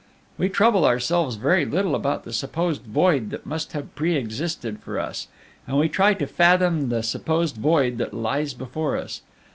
"We trouble ourselves very little about the supposed void that must have pre existed for us, and we try to fathom the supposed void that lies before us.